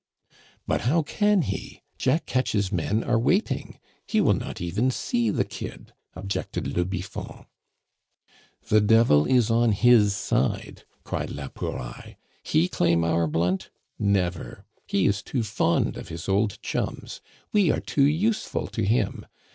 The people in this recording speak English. "But how can he? Jack Ketch's men are waiting. He will not even see the kid," objected le Biffon. "The devil is on his side!" cried la Pouraille. "He claim our blunt! Never! He is too fond of his old chums! We are too useful to him!